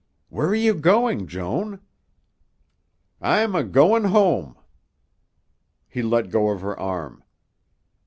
"Where are you going, Joan?" "I'm a goin' home." He let go of her arm.